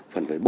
phần phải bố